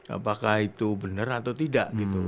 apakah itu benar atau tidak gitu